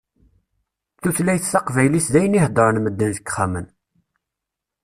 Tutlayt taqbaylit d ayen i heddṛen medden deg ixxamen.